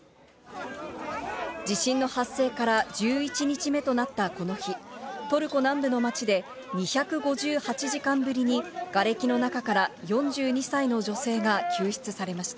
地震の発生から１１日目となったこの日、トルコ南部の街で、２５８時間ぶりにがれきの中から４２歳の女性が救出されました。